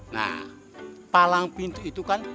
nah palang pintu itu kan